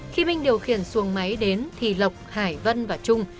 khi minh điều khiển xuồng máy đến thì lộc hải vân và trung